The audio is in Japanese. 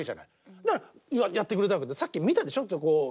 そしたらやってくれたけどさっき見たでしょ？